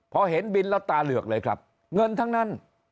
พอเห็นบินแล้วตาเหลือกเลยครับเงินทั้งนั้น